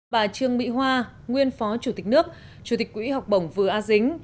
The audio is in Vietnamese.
bà trương mỹ hoa nguyên phó chủ tịch nước chủ tịch quỹ học bổng vừa a dính